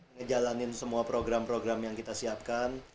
ngejalanin semua program program yang kita siapkan